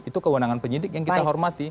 itu kewenangan penyidik yang kita hormati